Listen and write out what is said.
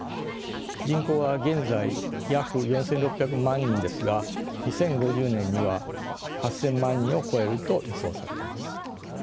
人口は現在約４，６００万人ですが２０５０年には８，０００万人を超えると予想されてます。